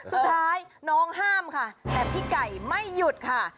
สุดท้ายน้องห้ามค่ะแต่พี่ไก่ไม่หยุดค่ะ